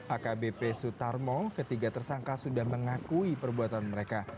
akbp sutarmo ketiga tersangka sudah mengakui perbuatan mereka